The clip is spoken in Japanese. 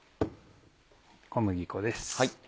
小麦粉です。